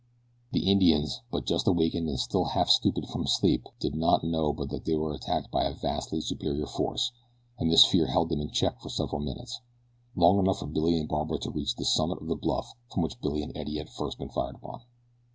The Indians, but just awakened and still half stupid from sleep, did not know but that they were attacked by a vastly superior force, and this fear held them in check for several minutes long enough for Billy and Barbara to reach the summit of the bluff from which Billy and Eddie had first been fired upon.